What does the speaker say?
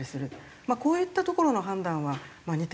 まあこういったところの判断は似てるのかなと。